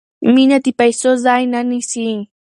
مینه د پیسو ځای نه نیسي.